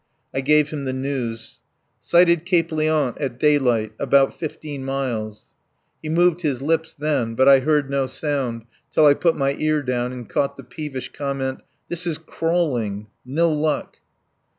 I gave him the news. "Sighted Cape Liant at daylight. About fifteen miles." He moved his lips then, but I heard no sound till I put my ear down, and caught the peevish comment: "This is crawling. ... No luck."